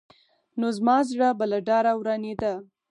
نو زما زړه به له ډاره ورانېده.